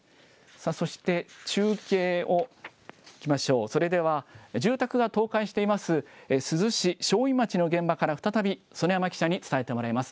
そして、中継にいきましょう、それでは、住宅が倒壊しています、珠洲市正院町の現場から再び園山記者に伝えてもらいます。